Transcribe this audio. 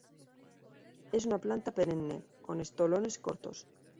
Es una planta perenne, con estolones cortos.